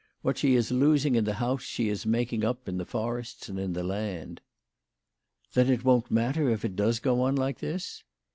What she is losing in the house she is making up in the forests and in the land." " Then it won't matter if it does go on like this?"